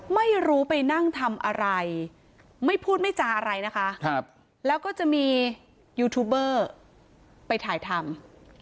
ไม่รู้ไปนั่งทำอะไรไม่พูดไม่จาอะไรนะคะแล้วก็จะมียูทูบเบอร์ไปถ่ายทำ